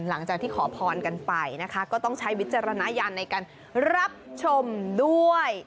หลังจากที่ขอพรกันไปนะคะก็ต้องใช้วิจารณญาณในการรับชมด้วย